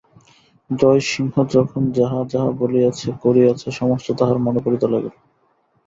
জয়সিংহ যখন যাহা যাহা বলিয়াছে করিয়াছে সমস্ত তাঁহার মনে পড়িতে লাগিল।